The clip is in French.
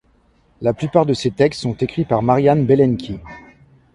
La plupart de ses textes sont écrits par Marian Belenki.